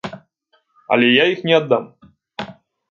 Але я іх не аддам.